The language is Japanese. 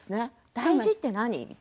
大事って何？って。